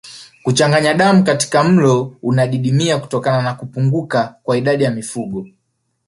Kuchanganya damu katika mlo unadidimia kutokana na kupunguka kwa idadi ya mifugo